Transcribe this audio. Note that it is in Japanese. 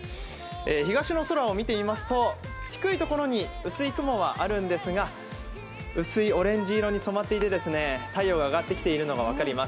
東の空を見てみますと低い所に薄い雲はあるんですが薄いオレンジ色に染まっていて、太陽が上がってきているのが分かります。